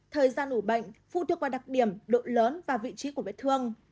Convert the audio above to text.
thời gian ủ bệnh phụ thuộc vào đặc điểm đội lớn và vị trí của vết thương